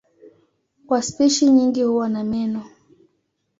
Kwa spishi nyingi huwa na meno.